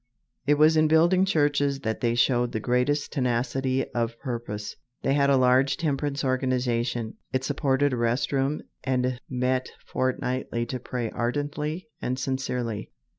It was in building churches that they showed the "greatest tenacity of purpose." They had a large temperance organization. It supported a rest room and met fortnightly to pray "ardently and sincerely."